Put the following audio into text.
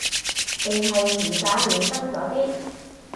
定係以假亂真嗰啲